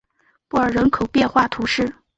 布尔人口变化图示